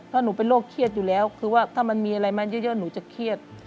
ถ้าหนูเป็นโรคเครียดอยู่แล้วคือว่าถ้ามันมีอะไรมาเยอะหนูจะเครียด